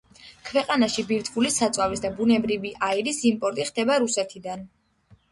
ქვეყანაში ბირთვული საწვავის და ბუნებრივი აირის იმპორტი ხდება რუსეთიდან.